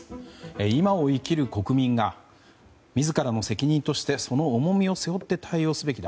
今を生きる国民が自らの責任としてその重みを背負って対応すべきだ。